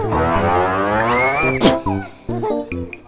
มาแล้วลูก